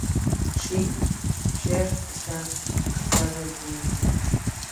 Shea está casado y tiene cinco hijos.